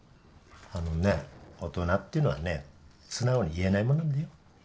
あのね大人っていうのはね素直に言えないもんなんだよ。